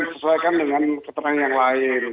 kita akan menyelekan dengan keterangan yang lain